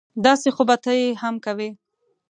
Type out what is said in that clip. داسې خو به ته یې هم کوې